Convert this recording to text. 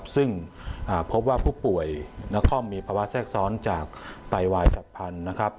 ซึ่งพบว่าผู้ป่วยนครมีภาวะแทรกซ้อนจากไตวายจับพันธุ์นะครับ